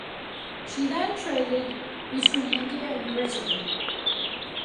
She then traded between India and Britain.